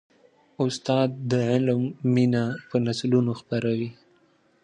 استاد د علم مینه په نسلونو خپروي.